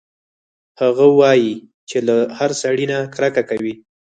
هغه وايي چې له هر سړي نه کرکه کوي